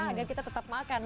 agar kita tetap makan